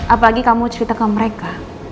apalagi kamu ceritakan mereka